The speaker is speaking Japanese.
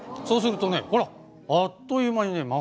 そうするとねほらあっという間にね